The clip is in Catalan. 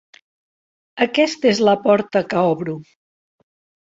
Aquesta és la porta que obro.